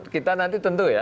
kita nanti tentu ya